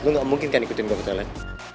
lo gak mungkin kan ikutin gue ke toilet